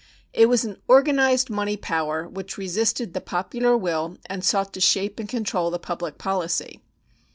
It was an organized money power, which resisted the popular will and sought to shape and control the public policy.